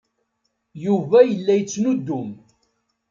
Yuba yella yettnuddum.